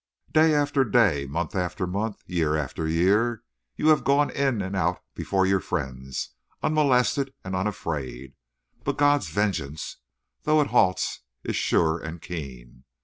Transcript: Day after day, month after month, year after year, you have gone in and out before your friends, unmolested and unafraid; but God's vengeance, though it halts, is sure and keen.